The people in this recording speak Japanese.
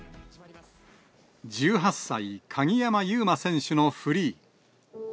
１８歳、鍵山優真選手のフリー。